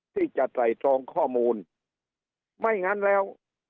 ที่จะไตรตรองข้อมูลไม่งั้นแล้ว